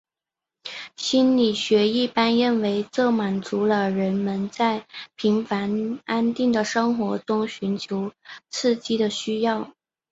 心理学一般认为这满足了人们在平凡安定的生活中寻求刺激的需要。